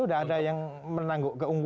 sudah ada yang menanggung